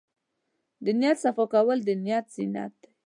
د نیت صفا کول د ایمان زینت دی.